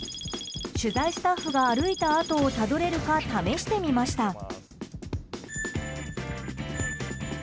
取材スタッフが歩いた跡をたどれるか試してみました。